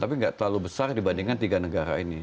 tapi nggak terlalu besar dibandingkan tiga negara ini